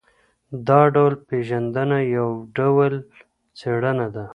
دا ډول پېژندنه هم یو ډول څېړنه ده.